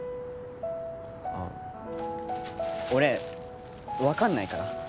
あっ俺、分かんないから。